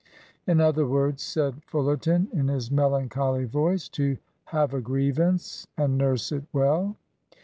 "In other words," said Fullerton in his melancholy voice, "to have a grievance, and nurse it well."